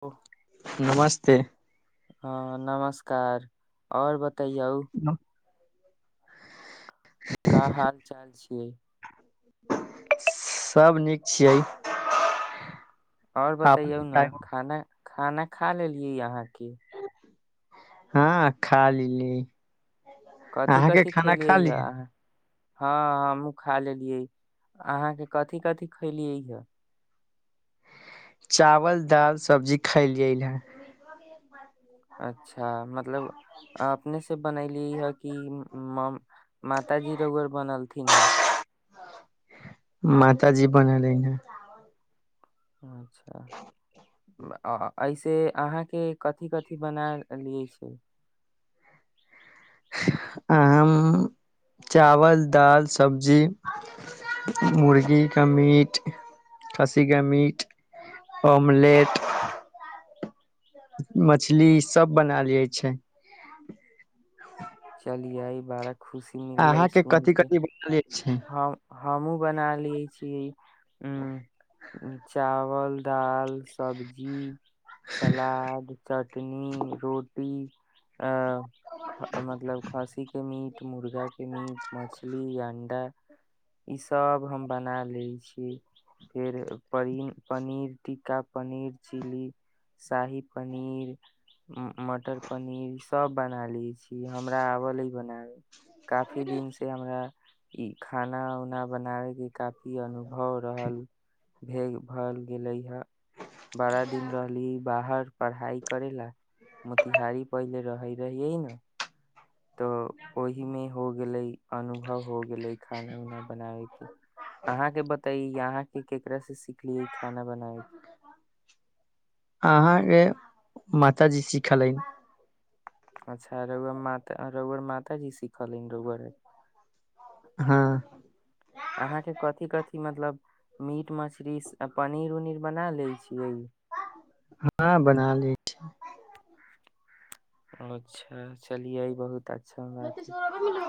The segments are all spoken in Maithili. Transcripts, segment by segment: ओ नमस्ते ह नमस्कार आओर बता कयौ [inaudible] क हाल चाल छियै सभ नीक छियै आओर आप बताइयौ ने बताबू। खाना खाना खा लेलियै अहाँके हँ खा लेली ली कथी कथिी खेलियै यए अहाँ हँ हमूँ खा लेलियै अहाँके कथिी कथिी खयलियै यए चावल दाल सब्जी खायल गेलल हे अच्छा मतलब अपने बनली है कि माताजी रोर बनलथिन है मात जी बने लै ने अच्छा आ ऐसे अहाँके कथिी कथिी बना लियए छै आ चावल दाल सब्जी मुर्गी का मीट खस्सी का मीट मलेट मछली सब बनाल जाइ छै चलिियइ बारह अहाँके कथिी कथिी बोल हम हमू बना क छै ह चावल दाल सब्जी सलाद चट चटनी रोटी आ मतलब खस्सी के मीट मुर्गा के मीट मछली य अंडा इस सब हम बना लै छी फेर पनी पनीर टिक्ा पनीर चिली शाही पनीर मटर पनीर सब बना ली छी क हमरा आवले बनाब काफी दिन से हमरा ई खाना उना बनावे के काफी अनुभव रहल भ भ गेले हे बारा दिन रहली बाहर पढ़ाई करे ला मोतिहारी पहिले रहे रहिये ने तऽ ओहिमे हो गेलै अनुभव हो गेलै खाना उना बनाबे के अहाँके बतै यहाँ एक एकरा सिखलिय खाना बनाएके अहाँ के माताजी सिखालै अच्छा रौ रौआ माता रौआ मातााजी सिखलनि रौआ हँ अहाँ के कथि कथि मतलब मीट मछली पनीर उनीर बना ले छियै हँ बना लय छी अच्छा चलिएइ बहुत तऽ अच्छा बात ह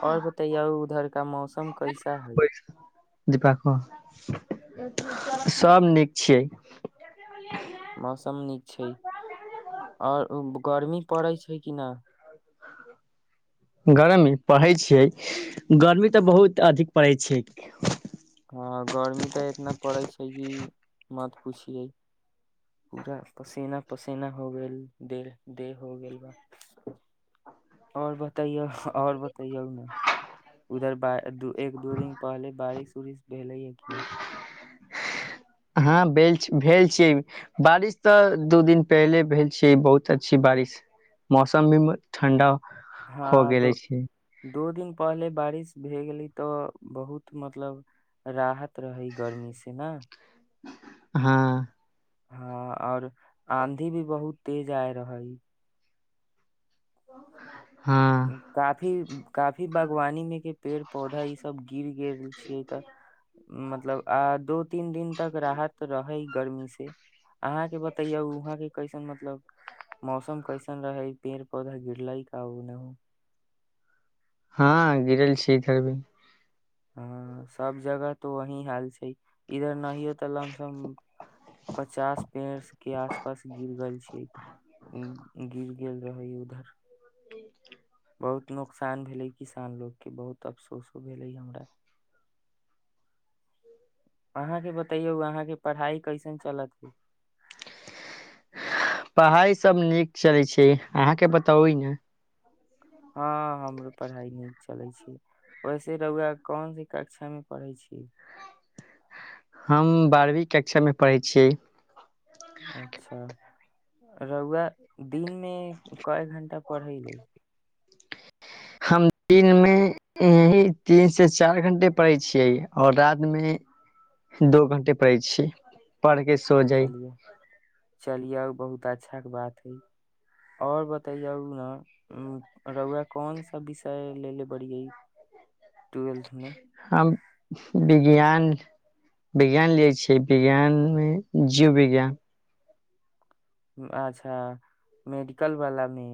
आओर बतैयऔ उधर का मौसम कैसा है दीपो सब नीक छियै मौसम नीक छै आओर गर्मी पड़ैत छै कि न गरमी परै छियै गर्मी तऽ बहुत अधिक परै छियै हँ गर्मी पुछियै पूरा पसीना पसीना हो गेल दे देह हो गेल बा आओर ब बतैयो आऔर बतैयौ ने उधर ब एक दो दिन पहले बारिश उरिश भेले ह कि न हँ भेल भेल छियै बारिश तऽ दू दिन पहिले भेल छियै बहुत अच्छी बारिश मौसम भी ठण्डा हो हँ दो गेले छै दो दिन पहले बारिश भए गेली तऽ बहुत मतलब राहत त है गर्मी स न हँ हँ और आंधी भी बहुत तेज आय रहै हँ काफी काफी बागवानी में के पेड़ पौधा ई सब गिर गेल छियै तऽ मतलब आ दू तीन दिन तक राहत रहै गर्मी से अहाँके बतैयौ वहाँके कैसन मतलब मौसम कैसन रहै पेड़ पौधा गिर ल कह ने हँ गिरल छी इधर भी हँ सब जगह तो वही हाल छै इधर नहियो तऽ लमसम पचास पेड़स के आस पास गिर गेल छै गिर गेल रहै उधर बहुत नुोकसान भेलै किसान लोकोगके बहुत अफसोसो भेलै हमरा अहाँके बतैयौ अहाँके पढ़ाइ कैसन चलत ह पढ़ाई सब नीक चलै छै अहाँके बताउ ने हँ हमरो पढ़ाइ नीक चलै छै वैसे रहुआ कोनस कक्षामे पढ़ै छी हम बारहवीं कक्षा मे पढ़ै छियै अच्छा रहुुआ दिन मे कय घं्टा पढ़ै ले हम दिन मे यही तीन से चार घंटे पढ़ै छियै और रात मे दो घं्टे पढ़ै छीयै पढ़ के सो जाइ चलियौ बहुत अच्छाके बात हइ आओर बतैयौ ने रहुुआ कोन सा विषय लै लए बड़ियै हम विज्ञान विज्ञान लै छिय विज्ञान मे जीव विज्ञान अच्छा मेडिकल वाला मे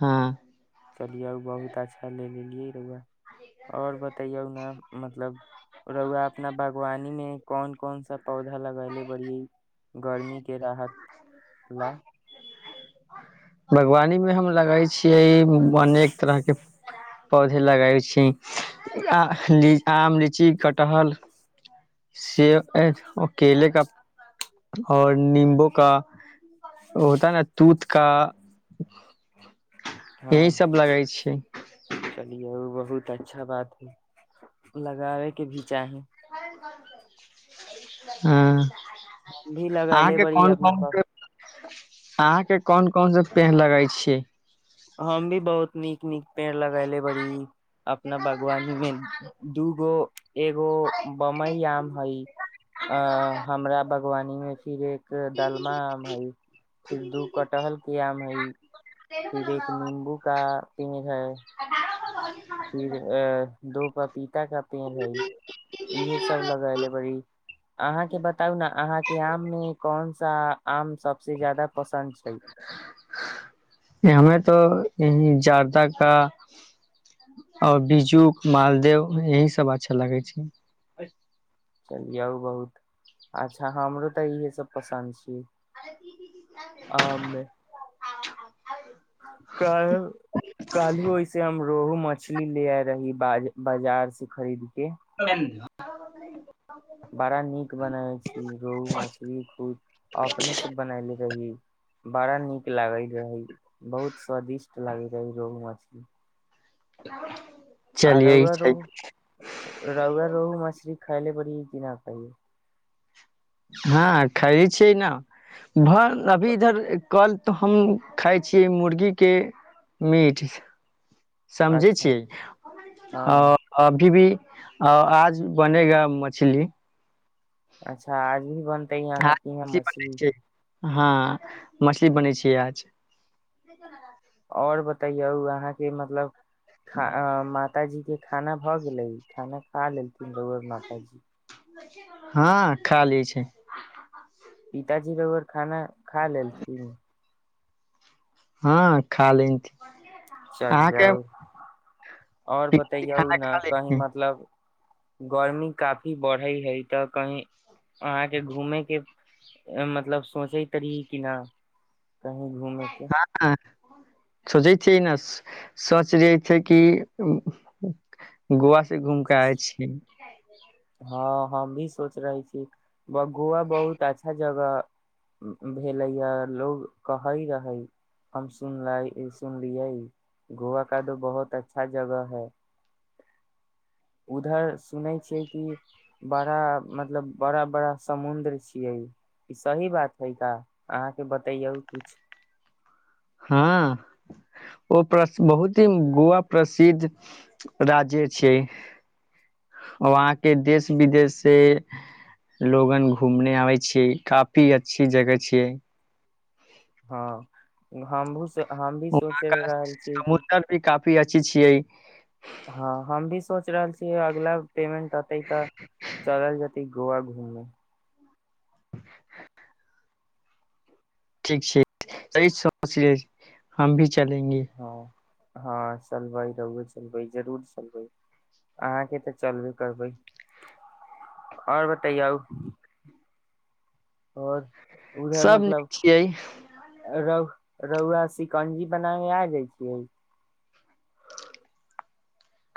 हाँ चलियौ बहुत अच्छा ले लेलियै रुआ और बतैयऔ ने मतलब रौुआ अपना बागवानी में कोन कोन सा पौधा पोघा लगले बड़ी गर्मी के राहत ला बगवानी मे हम लगै छियै अनेक तरह के पौधे लगै छी आ आम लीची कटहल सेव केले का और नीम्बू का होता न तुथ का यही हाँ सब लगै छियै चलिए बहुत अच्छा बात है लगाबे के भी चाही हाँ हम भी लगैले अहाँके बड़ी कौन अपना कौन बा... अहाँके कौन कौन स पेन लगै छियै हम भी बहुत नीक नीक पेड़ लगाय ले बड़ी अपना बागवानी मे दूगो एगो बमई आम हई अ हमरा बागवानी मे [inaudible] डालमा आम हई फिर दू कटहल के आम हई फिर एक नींबू का [unintelligible] [unintelligible] फिर अ [unintelligible] [unintelligible] इहे सब लगले बड़ अहाँ के बताउ ने अहाँ कियाम मे कौन सा आम सबसे ज्यादा पसन्द छै ई जर्दा कऽ आओर बीजू कऽ मालदह यही सब अच्छा लगै छै चलिअउ बहुत अच्छा हमरो तऽ इहे सब पसन्द अछि [unintelligible] रोहू मछली लै आ रहल छी बाजार सँ खरीदि कऽ [unintelligible] बड़ नीक बनबै छी रोहू मछरी खुद अपने सँ बनैने रही बड़ा न लागैत रहै बहुत स्वादिष्ट लागे रहि रहु मछरि। ह [unintelligible] आ रउआ रो रउवा रोहु मछरी खइले पड़िय कि नहिा खाइयए [unintelligible] हँ खैये छि न। भ अभी इधर कल तऽ हम खााय छियै मुर्गी के मीठ। समझै अच्छा छियै अ हँ अभी भी आ आज बनेगा मछली। अच्छा आज भी बनतै ह आज अहाँके यहाँ बनै मछली। छै हँ मछली बनै छियै आज। आओर बतैयौ अहाँके मतलब?? ख मातााजी के खाना भऽ गेलै खाना? ख लेलथिन राउअर माताजी। हँ खा लै छै। पिताजी रउर खाना खा लेलथिन। हँ खा लेथी चल जाउ और पिकनिक बतैयौ खाना न खा ले कही मतलब? गर्मी काफी बढ़ई है तऽ कही अहाँके घूमे के मतलब सोचै ह तर कि न। कही घूमके हँ सोचै छियै न सोच रै छै कि गोव से घूमि कऽ आय छीिय। हँ हँ भी सोच रहे छी। गोआ बहुत अच्छा जगह भेलैय लोग कहै रहै हम सुनलये सुनलियै गोवा कादो बहुत अच्छा जगह है। उधर सुनै छिय क बड़ा मतलब बड़ा बड़ा समुद्र छियै ई सही बात है? का अहाँके बतैयौ कुछ। हँ ओ बहुत ही गोवा प्रसिद्ध राज्य छैिय वहां के देश विदेश से लोगन घूमने आबै छियै काफी अच्छी जगह छिय। हँ घाम भू हम भी सोचि रहल छीियै कि छी छियै। हँ हम भी सोच रहल छियै अगला पेमन्ट अतए तऽ चलल जतय घू गोवा घूमना [inaudible] ठीक छै सचे हम भी चलेंगे हँ हँ सल भइ रहू छै जरूर चलबै अहाँके तऽ चलबे करबै आओर बतैयउ आओर सभ नीक मतलब छियै रौुआ सिकंजी बना केे आ जाय छियै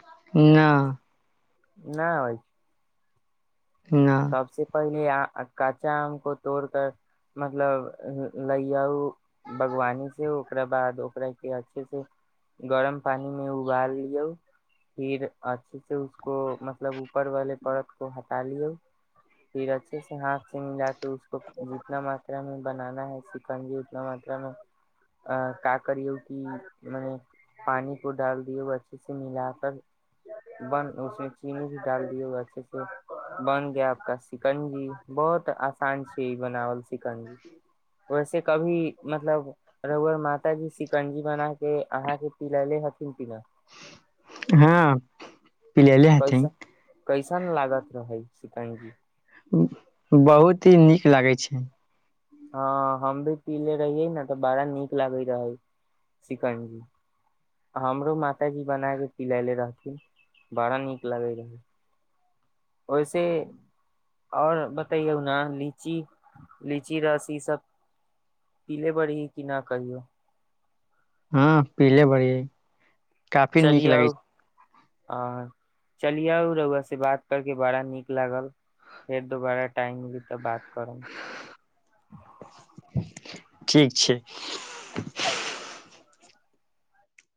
न नहि भइ सब न सिफाइ काँचा आम को तोड़ क मतलब लयऔ बागवानी से ओकरा बाद ओकरा के अच्छे से गरम पानी मे उबाल लियऔ फिर अच्छे से को मतलब ऊपर वाले परत को ह तालियौ फिर अच्छे से हाथ से मिलाक त उसको जितना मात्रामे बनाना है चिकनजी उतना मात्रामे अ ककरियौ की मने पानि को डाल दियऔ ओ अच्छे से मिल कर बन उसमे चीनी भी डाल दिय अच्छे से बन आपका सिकंजी बहुत आसान छै ई बनावल सिकंजी वैसे कभी मतलब रघुअर मातााजी सिकंजी बना के अहाँके पिलले हथिन पना हँ पिलल हाथिन कैसन कैसन लागत रहै शतंजी बहुत ही नीक लागै छै हँ हम भी पले रहियै ने तऽ बड़ा नीक लागैत रहै सिकंजी हमरो मातााजी बना कऽ पिलले रहथिन बड़ा नीक लागैत रहै ओहिसे आओर बतैयौ ने लीची लीची रस ईसभ पीले बड़ी कि नहि कहियौ हँ पीले बढ़ि काफी नीक चलियौ लगै छै आ चलि आउ रुआ से बात करके बड़ा नीक लागल फेर दोबारा टाइम मिली तब बात करण ठीक छै